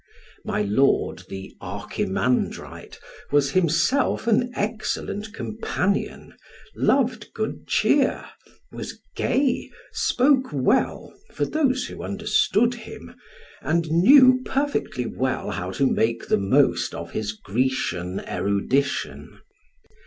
My lord, the Archimandrite, was himself an excellent companion, loved good cheer, was gay, spoke well for those who understood him, and knew perfectly well how to make the most of his Grecian erudition.